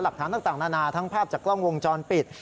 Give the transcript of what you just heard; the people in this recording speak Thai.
หลักฐานต่างนานาทั้งภาพจากกล้องวงจรปิด